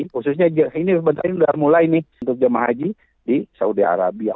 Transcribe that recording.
khususnya ini benar benar sudah mulai nih untuk jemaah haji di saudi arabia